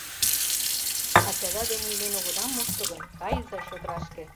Ачада дене илен огыда мошто гын, кайыза чодырашке!